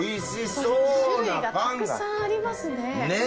種類がたくさんありますね。ねぇ！